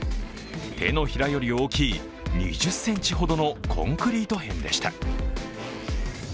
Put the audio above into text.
手のひらより大きい、２０ｃｍほどのコンクリート片でした。